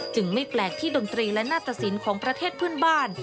จึงไม่แปลกที่ดนตรีและนาฏศิลป์ของประเทศพื้นบ้าน